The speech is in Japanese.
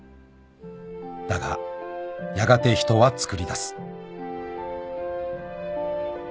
［だがやがて人はつくりだす］